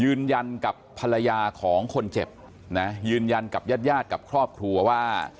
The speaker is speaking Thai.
ยืนยันกับภรรยาของคนเจ็บนะยืนยันกับญาติญาติกับครอบครัวว่า